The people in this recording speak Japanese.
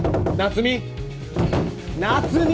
夏美？